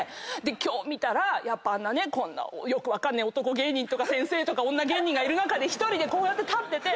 今日見たらこんなよく分かんねえ男芸人とか先生とか女芸人がいる中で１人でこうやって立ってて。